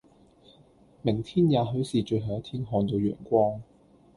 明天或許是最後一天看到陽光，